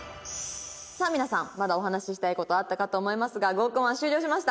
さあ皆さんまだお話ししたい事あったかと思いますが合コンは終了しました。